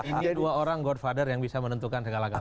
ini dua orang godfather yang bisa menentukan segala gala